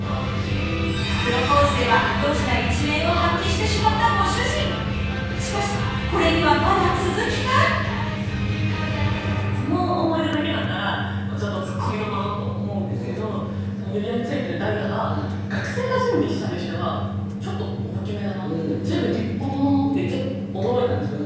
プロポーズではドジな一面を発揮してしまったご主人しかしこれにはまだ続きがその思い出だけだったらツッコミどころと思うんですけど指輪に付いてるダイヤが学生が準備したにしてはちょっと大きめだなぁってずいぶん立派だなぁってちょっと驚いたんですよ